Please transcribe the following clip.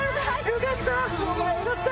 よかった！